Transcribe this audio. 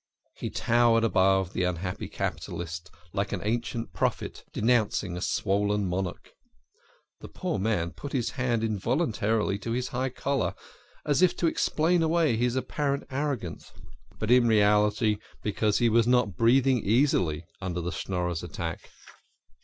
He towered above the unhappy capitalist, like an ancient prophet denouncing a swollen monarch. The poor man put his hand involuntarily to his high collar as if to explain away his apparent arrogance, but in reality because he was not breathing easily under the Schnorrer's attack.